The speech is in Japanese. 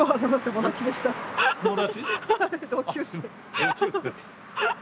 友達？